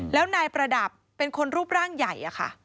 แล้วนายประดับเป็นคนรูปร่างใหญ่อะค่ะ